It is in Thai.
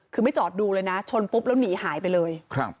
คือไม่จอดดูเลยนะชนปุ๊บแล้วหนีหายไปเลย